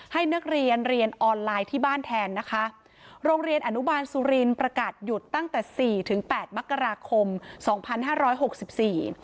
ให้นักเรียนเรียนออนไลน์ที่บ้านแทนนะคะโรงเรียนอนุบาลสุรินประกาศหยุดตั้งแต่สี่ถึงแปดมกราคมสองพันห้าร้อยหกสิบสี่